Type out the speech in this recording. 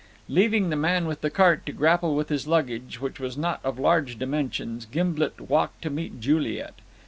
Leaving the man with the cart to grapple with his luggage, which was not of large dimensions, Gimblet walked to meet Juliet.